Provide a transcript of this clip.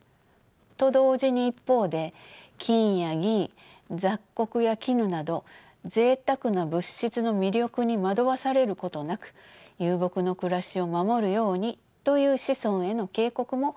と同時に一方で金や銀雑穀や絹などぜいたくな物質の魅力に惑わされることなく遊牧の暮らしを守るようにという子孫への警告も彫り込まれていました。